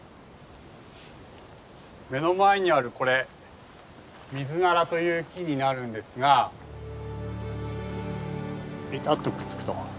目の前にあるこれミズナラという木になるんですがベタッとくっつくと。